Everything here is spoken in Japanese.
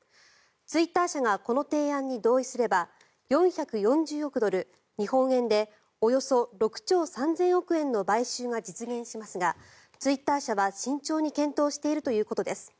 ツイッター社がこの提案に同意すれば４４０億ドル、日本円でおよそ６兆３０００億円の買収が実現しますがツイッター社は慎重に検討しているということです。